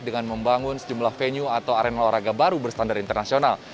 dengan membangun sejumlah venue atau arena olahraga baru berstandar internasional